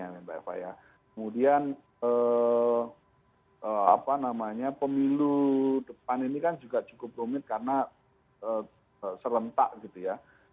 kemudian pemilu depan ini kan juga cukup rumit karena serentak gitu ya